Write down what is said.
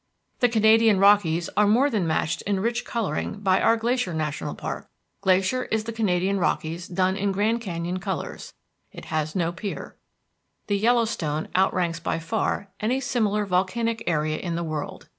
The Canadian Rockies are more than matched in rich coloring by our Glacier National Park. Glacier is the Canadian Rockies done in Grand Canyon colors. It has no peer. The Yellowstone outranks by far any similar volcanic area in the world.